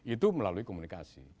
itu melalui komunikasi